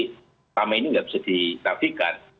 pertama ini tidak bisa ditarikkan